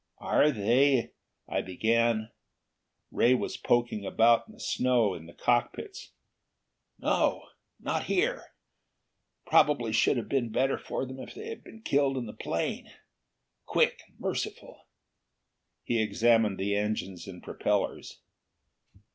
"Are they " I began. Ray was poking about in the snow in the cockpits. "No. Not here. Probably would have been better for them if they had been killed in the plane. Quick and merciful." He examined the engines and propellers.